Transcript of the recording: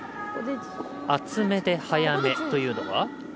厚めで速めというのは？